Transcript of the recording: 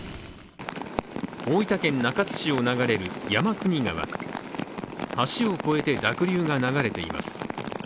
大分県中津市を流れる山国川、橋を越えて濁流が流れています。